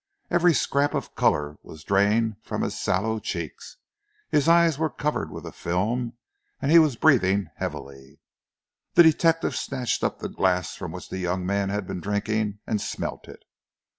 Every scrap of colour was drained from his sallow cheeks, his eyes were covered with a film and he was breathing heavily. The detective snatched up the glass from which the young man had been drinking, and smelt it.